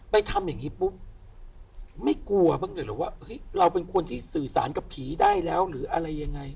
ทำอย่างนี้ปุ๊บไม่กลัวบ้างเลยเหรอว่าเฮ้ยเราเป็นคนที่สื่อสารกับผีได้แล้วหรืออะไรยังไง